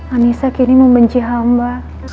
anissa kini membenci hamba